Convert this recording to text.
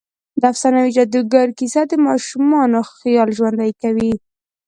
د افسانوي جادوګر کیسه د ماشومانو خيال ژوندۍ کوي.